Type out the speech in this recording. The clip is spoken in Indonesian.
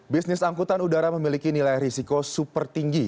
bisnis angkutan udara memiliki nilai risiko super tinggi